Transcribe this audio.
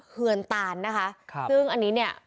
เฮือนตานนะคะซึ่งอันนี้เนี่ย